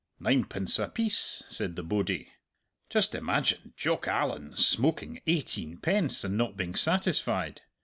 'Ninepence a piece!' said the bodie. Just imagine Jock Allan smoking eighteen pence, and not being satisfied!